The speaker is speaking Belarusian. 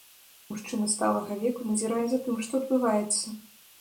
Мужчына сталага веку назірае за тым, што адбываецца.